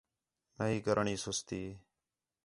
نہی کرݨی سُستی